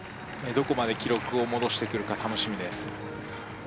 どこまで記録を戻してくるか楽しみです